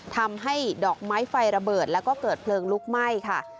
ทำให้ดอกไม้ไฟระเบิดแล้วก็เกิดเพลิงลุกไหม้ค่ะ